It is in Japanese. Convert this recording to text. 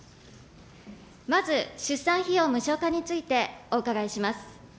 まず出産費用無償化についてお伺いします。